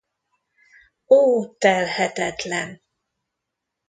Ó, telhetetlen!